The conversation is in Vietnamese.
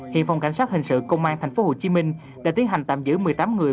hiện phòng cảnh sát hình sự công an tp hcm đã tiến hành tạm giữ một mươi tám người